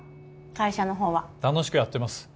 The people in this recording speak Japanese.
会社のほうは楽しくやってます